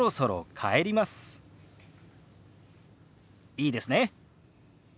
いいですね？